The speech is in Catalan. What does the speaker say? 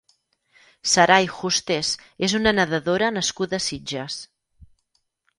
Sarai Justes és una nedadora nascuda a Sitges.